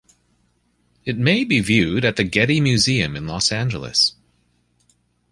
It may be viewed at the Getty Museum in Los Angeles.